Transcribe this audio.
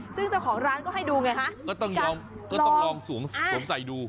ซึ่งเจ้าของร้านก็ให้ดูไงคะก็ต้องลองสวงใส่ดู